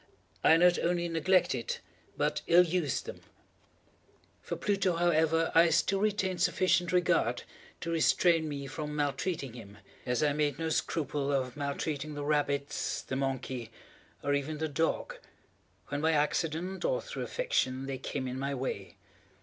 I not only neglected, but ill used them. For Pluto, however, I still retained sufficient regard to restrain me from maltreating him, as I made no scruple of maltreating the rabbits, the monkey, or even the dog, when by accident, or through affection, they came in my way.